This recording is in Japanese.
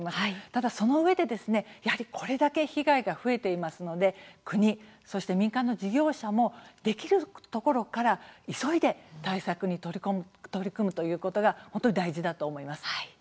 ただ、そのうえでやはりこれだけ被害が増えていますので国、そして民間事業者もできるところから急いで対策に取り組むことが本当に大事だと思います。